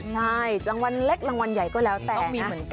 ใช่รางวัลเล็กรางวัลใหญ่ก็แล้วแต่